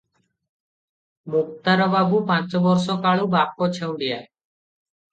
ମୁକ୍ତାରବାବୁ ପାଞ୍ଚ ବରଷ କାଳୁଁ ବାପ ଛେଉଣ୍ଡିଆ ।